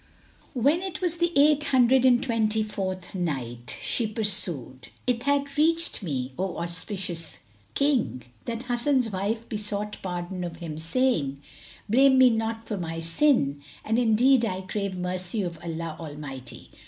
When it was the Eight Hundred and Twenty fourth Night, She pursued, It hath reached me, O auspicious King, that Hasan's wife besought pardon of him saying, "Blame me not for my sin; and indeed I crave mercy of Allah Almighty."